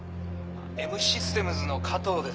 エムシステムズの加藤です。